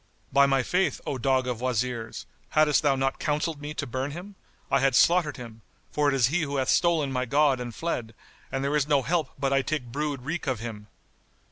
By my faith, O dog of Wazirs, haddest thou not counselled me to burn him, I had slaughtered him; for it is he who hath stolen my god and fled; and there is no help but I take brood wreak of him!"